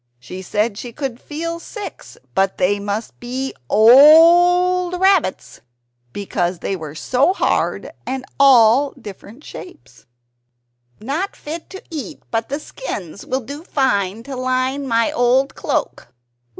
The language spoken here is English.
She said she could feel six, but they must be OLD rabbits, because they were so hard and all different shapes. "Not fit to eat; but the skins will do fine to line my old cloak."